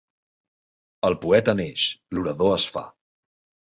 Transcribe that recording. El poeta neix, l'orador es fa.